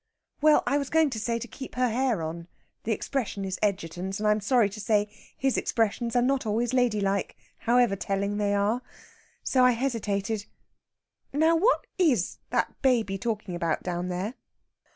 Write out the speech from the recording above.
"Well, I was going to say keep her hair on. The expression is Egerton's, and I'm sorry to say his expressions are not always ladylike, however telling they are! So I hesitated. Now what is that baby talking about down there?"